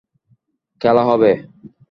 খেলা হবে!